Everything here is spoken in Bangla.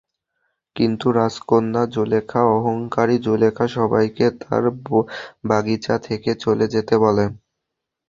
কিন্তু রাজকন্যা জুলেখা, অহংকারী জুলেখা সবাইকে তার বাগিচা থেকে চলে যেতে বলে।